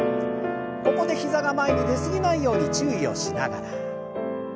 ここで膝が前に出過ぎないように注意をしながら。